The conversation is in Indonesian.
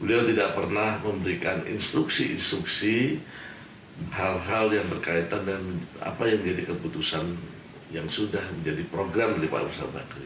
beliau tidak pernah memberikan instruksi instruksi hal hal yang berkaitan dengan apa yang jadi keputusan yang sudah menjadi program dari pak ustadz bakri